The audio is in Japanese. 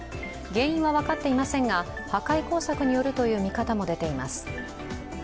原因は分かっていませんが、破壊工作区によるという見方も出ています。